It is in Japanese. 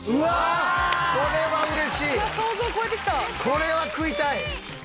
これは食いたい！